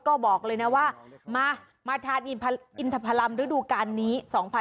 ก็บอกเลยนะว่ามาทานอินทพรรมฤดูการนี้๒๕๖๒